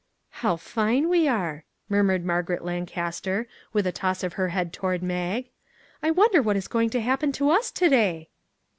" How fine we are !" murmured Margaret Lancaster, with a toss of her head toward Mag; " I wonder what is going to happen to us to day